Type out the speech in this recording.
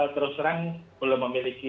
terus terang belum memiliki